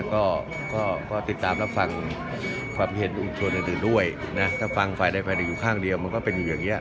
ก็ก็ติดตามรับฟังความเห็นชุมชนอื่นด้วยนะถ้าฟังฝ่ายใดฝ่ายหนึ่งอยู่ข้างเดียวมันก็เป็นอยู่อย่างนี้